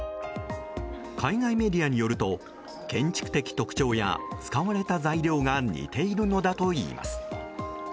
海外メディアによると建築的特徴や使われた材料が似ているのだといいます。